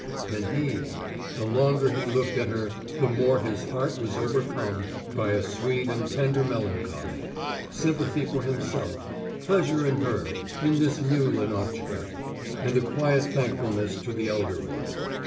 And he ... the longer he looked at her the more his heart was overcome by a sweet and tender melancholy sympathy for himself, pleasure in her, in this new Lenotchka, and a quiet thankfulness to the elder one.